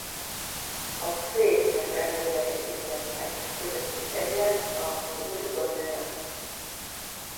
A főépületre merőleges épületszárnyak közötti terület a cour d’honneur.